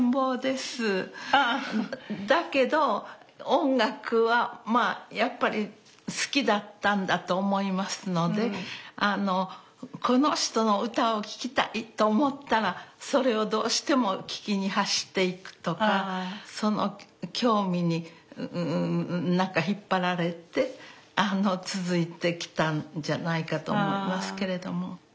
だけど音楽はまあやっぱり好きだったんだと思いますのであのこの人の歌を聴きたいと思ったらそれをどうしても聴きに走っていくとかその興味に引っ張られて続いてきたんじゃないかと思いますけれども。